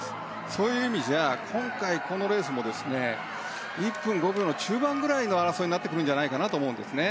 そういう意味では今回、このレースも１分５秒の中盤くらいの争いになってくるんじゃないかと思うんですね。